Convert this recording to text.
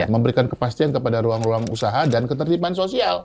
memberikan kepastian kepada ruang ruang usaha dan ketertiban sosial